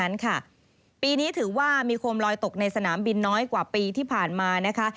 นั้นค่ะปีนี้ถือว่ามีโคมลอยตกในสนามบินน้อยกว่าปีที่ผ่านมานะคะ